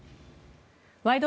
「ワイド！